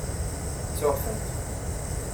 Ttuɣ-tent.